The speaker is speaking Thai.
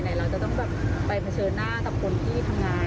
ไหนเราจะต้องไปเผชิญหน้าตัวคนที่ทำงาน